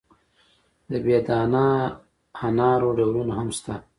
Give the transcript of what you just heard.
د بې دانه انارو ډولونه هم شته.